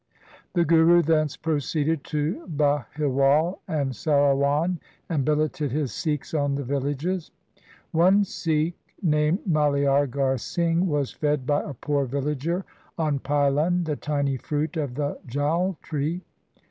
The Guru thence proceeded to Bahiwal and Sarawan and billeted his Sikhs on the villages. One Sikh, named Maliagar Singh, was fed by a poor villager on pilun, the tiny fruit of the jal tree.